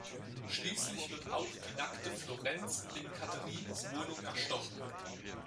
Schließlich wird auch die nackte Florence in Catherines Wohnung erstochen.